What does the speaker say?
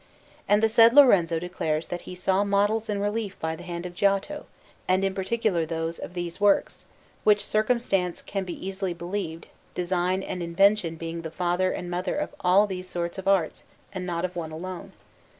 And the said Lorenzo declares that he saw models in relief by the hand of Giotto, and in particular those of these works; which circumstance can be easily believed, design and invention being father and mother of all these arts and not of one alone.